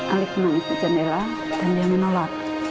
alif menangis ke jendela dan dia menolak